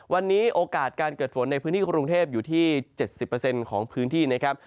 วันนี้โอกาสการเกิดฝนในพื้นที่กรุงเทพอยู่ที่๗๐ของพื้นที่นะครับ